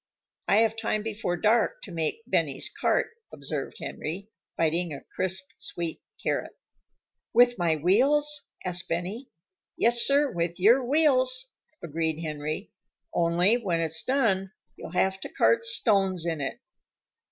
"I have time before dark to make Benny's cart," observed Henry, biting a crisp, sweet carrot. "With my wheels?" asked Benny. "Yes, sir, with your wheels," agreed Henry. "Only, when it's done, you'll have to cart stones in it."